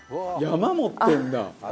「山持ってるんだ！」